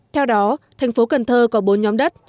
theo đó thành phố cần thơ có bốn nhóm đất